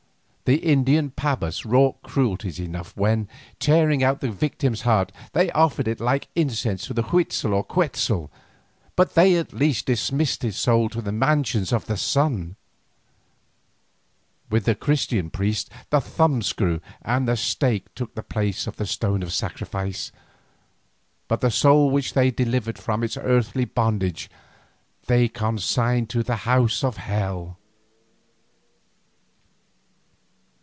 The Indian pabas wrought cruelties enough when, tearing out the victim's heart, they offered it like incense to Huitzel or to Quetzal, but they at least dismissed his soul to the Mansions of the Sun. With the Christian priests the thumb screw and the stake took the place of the stone of sacrifice, but the soul which they delivered from its earthly bondage they consigned to the House of Hell.